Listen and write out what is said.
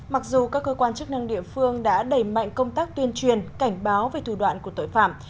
mặc dù các cơ quan chức năng địa phương đã đẩy mạnh công tác tuyên truyền cảnh báo về thủ đoạn của tội phạm